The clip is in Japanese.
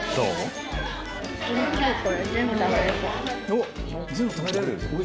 おっ全部食べれる。